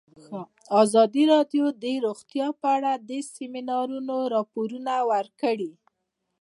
ازادي راډیو د روغتیا په اړه د سیمینارونو راپورونه ورکړي.